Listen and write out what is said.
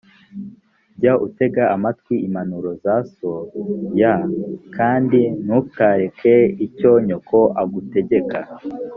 jya utega amatwi impanuro za so y kandi ntukareke icyo nyoko agutegeka